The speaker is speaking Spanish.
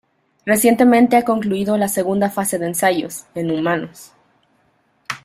Recientemente ha concluido la segunda fase de ensayos, en humanos.